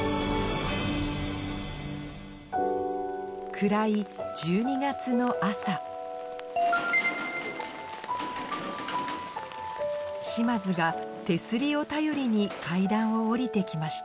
暗い１２月の朝嶋津が手すりを頼りに階段を降りて来ました